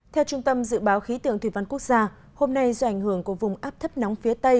theo trung tâm dự báo khí tượng thủy văn quốc gia hôm nay do ảnh hưởng của vùng áp thấp nóng phía tây